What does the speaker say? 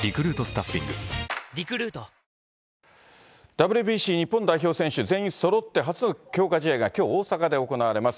ＷＢＣ日本代表選手、全員そろって初の強化試合がきょう大阪で行われます。